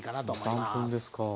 ２３分ですか。